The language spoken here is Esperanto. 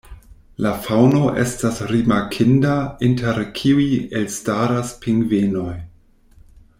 La faŭno estas rimarkinda, inter kiuj elstaras pingvenoj.